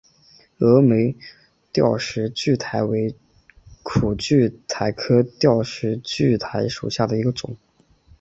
峨眉吊石苣苔为苦苣苔科吊石苣苔属下的一个种。